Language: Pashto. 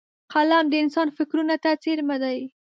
قلم د انسان فکرونو ته څېرمه دی